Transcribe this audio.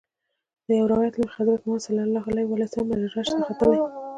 د یوه روایت له مخې حضرت محمد صلی الله علیه وسلم معراج ته ختلی.